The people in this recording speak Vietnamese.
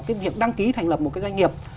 cái việc đăng ký thành lập một cái doanh nghiệp